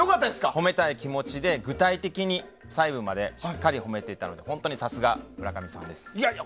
褒めたい気持ちで具体的に細部までしっかり褒めていたので本当にさすが村上さんです。